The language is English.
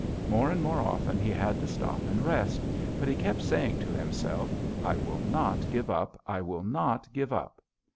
More and more often he had to stop and rest, but he kept saying to himself: 'I will not give up! I will not give up!'